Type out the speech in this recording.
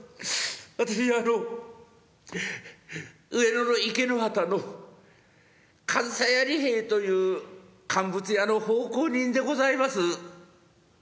「私あの上野の池之端の上総屋利兵衛という乾物屋の奉公人でございます」。